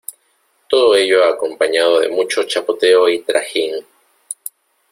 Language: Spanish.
todo ello acompañado de mucho chapoteo y trajín.